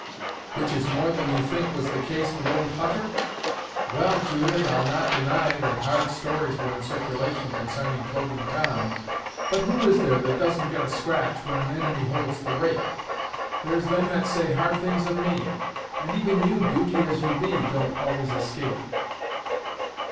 "Which is more than you think was the case with old Hutter? Well, Judith, I'll not deny that hard stories were in circulation consarning Floating Tom, but who is there that doesn't get a scratch, when an inimy holds the rake? There's them that say hard things of me, and even you, beauty as you be, don't always escape."